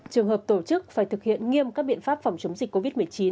trường hợp tổ chức phải thực hiện nghiêm các biện pháp phòng chống dịch covid một mươi chín